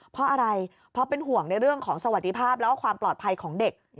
เพราะอะไรเพราะเป็นห่วงในเรื่องของสวัสดิภาพแล้วก็ความปลอดภัยของเด็ก